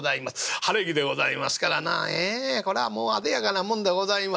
晴れ着でございますからなこれはもう艶やかなもんでございます。